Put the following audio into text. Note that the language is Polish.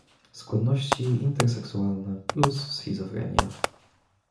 „Skłonności interseksualne plus schizofrenia.